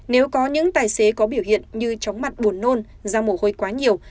nếu có những tài xế có biểu hiện như chóng mặt buồn nôn da mồ hôi quá nhiều